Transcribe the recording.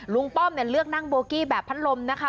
ลุงป้อมเลือกนั่งโบกี้แบบพันลมนะคะ